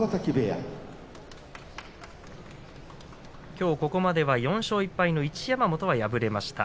きょうここまでは４勝１敗の一山本が敗れました。